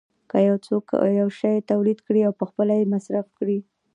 که څوک یو شی تولید کړي او پخپله یې مصرف کړي